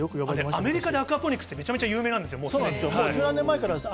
アメリカではアクアポニックスってめちゃめちゃ有名なんですよね。